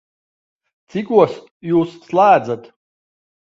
Cikos Jūs slēdzat?